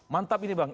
mantap ini bang